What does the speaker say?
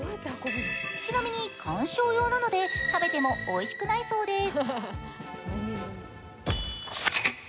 ちなみに観賞用なので食べてもおいしくないそうです。